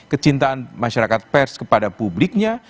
kecintaan masyarakat pers kepada publiknya